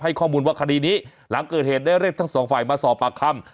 ข้อมูลว่าคดีนี้หลังเกิดเหตุได้เรียกทั้งสองฝ่ายมาสอบปากคำ